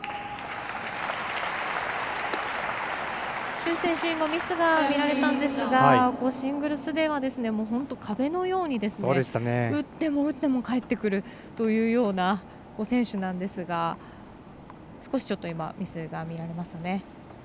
朱選手、今ミスが見られたんですがシングルスでは本当、壁のように打っても打っても返ってくるというような選手なんですが少しちょっとミスが見られましたね。